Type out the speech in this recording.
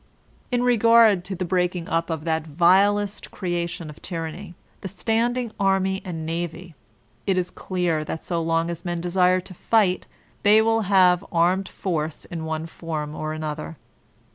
In TtgSLTd to the breaking up of that vilest creation of tyranny, the standing army and navy, it is clear that so long as men desire to fight, they will have armed force in one form or another.